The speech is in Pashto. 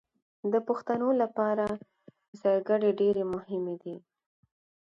د پښتنو لپاره زدکړې ډېرې مهمې دي